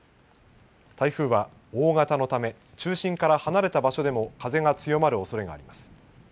台風は、大型のため、中心から離れた場所でも風が強まるおそれがあります。